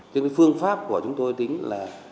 thế với phương pháp của chúng tôi tính là